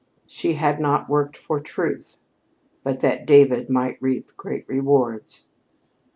She had not worked for Truth, but that David might reap great rewards.